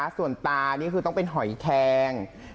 ส่วนตานี่คือต้องเป็นหอยแคง